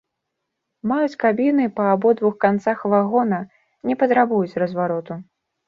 Маюць кабіны па абодвух канцах вагона, не патрабуюць развароту.